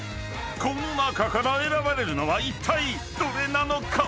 ［この中から選ばれるのはいったいどれなのか？］